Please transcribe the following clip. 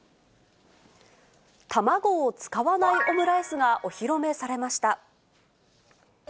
卵を使わないオムライスがお披露目されました。